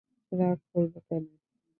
রাগ করব কেন?